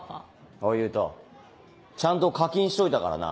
おい勇人ちゃんと課金しといたからな